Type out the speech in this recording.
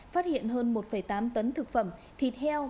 phát hiện hơn một tám tấn thực phẩm thịt heo